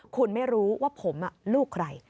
คุณไม่รู้ว่าผมลูกใคร